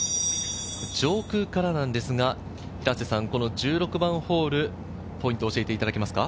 上空からなんですが、１６番ホール、ポイントを教えていただけますか？